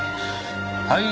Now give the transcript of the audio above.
はい。